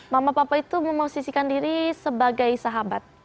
mama papa itu memosisikan diri sebagai sahabat